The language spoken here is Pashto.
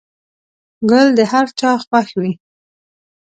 گل د هر چا خوښ وي.